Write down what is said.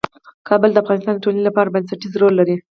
کابل د افغانستان د ټولنې لپاره بنسټيز رول لري.